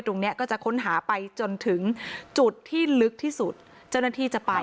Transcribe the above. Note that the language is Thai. ตรงนี้ก็จะค้นหาไปจนถึงจุดที่ลึกที่สุดเจ้าหน้าที่จะไป